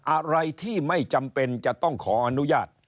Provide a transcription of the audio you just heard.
อะไรที่ไม่จำเป็นจะต้องขออนุญาต